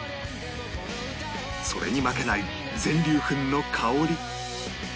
それに負けない全粒粉の香り